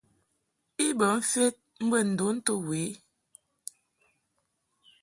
I bə mfed mbə ndon to we i.